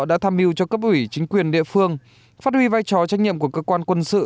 đã tham mưu cho cấp ủy chính quyền địa phương phát huy vai trò trách nhiệm của cơ quan quân sự